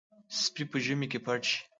سپي په ژمي کې پټ شي.